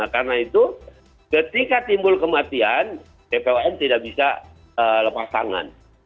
karena itu ketika timbul kematian bpom tidak bisa lepas tangan